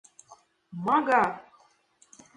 Мага!